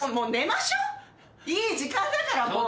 いい時間だからもう。